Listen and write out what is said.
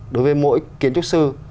đối với mỗi kiến trúc sư